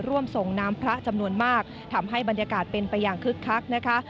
ร่วมส่งน้ำพระจำนวนมากทำให้บรรยากาศเป็นไปอย่างคึกคักนะคะ